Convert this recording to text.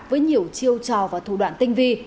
với nhiều chiêu trò và thủ đoạn tinh vi